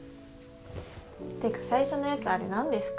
てか最初のやつあれなんですか。